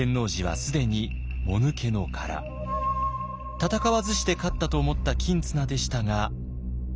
戦わずして勝ったと思った公綱でしたが。